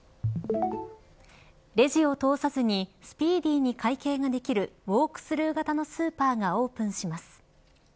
レジを通さずにスピーディーに会計ができるウォークスルー型のスーパーがオープンします。